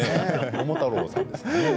桃太郎さんですね。